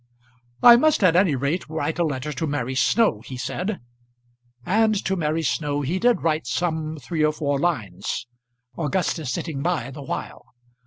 "I must at any rate write a letter to Mary Snow," he said. And to Mary Snow he did write some three or four lines, Augustus sitting by the while.